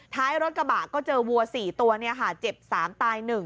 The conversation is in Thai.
ท้ายรถกระบะก็เจอวัว๔ตัวเจ็บ๓ตาย๑